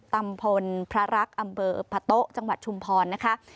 ตำบลพระรักษ์อำเภอพะโต๊ะจังหวัดชุมพรนะคะ